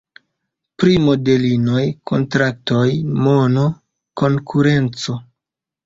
Pri modelinoj, kontraktoj, mono, konkurenco.